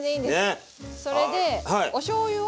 それでおしょうゆを。